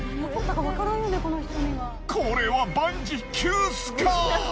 これは万事休すか！？